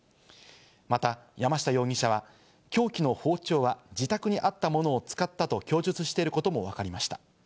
また山下容疑者は、凶器の包丁は自宅にあったものを使ったと供述していることもわかりました。